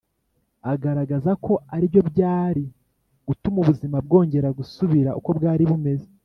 agaragaza ko ari byo byari gutuma ubuzima bwongera gusubira uko bwari bumeze.